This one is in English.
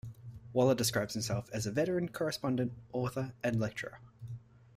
Waller describes himself as a veteran correspondent, author and lecturer.